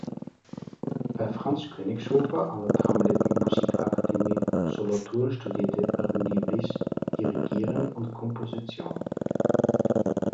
Bei Franz Königshofer an der damaligen Musikakademie Solothurn studierte Ruedi Wyss Dirigieren und Komposition.